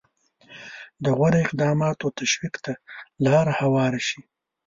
د غوره اقداماتو تشویق ته لاره هواره شي.